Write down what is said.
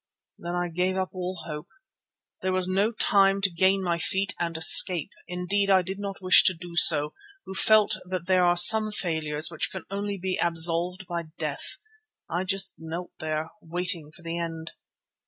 Then I gave up all hope. There was no time to gain my feet and escape; indeed I did not wish to do so, who felt that there are some failures which can only be absolved by death. I just knelt there, waiting for the end.